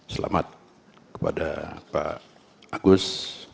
selamat kepada pak agus